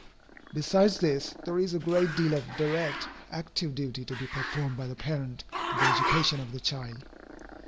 Besides this, there is a great deal of direct, active duty to be performed by the parent in the education of the child.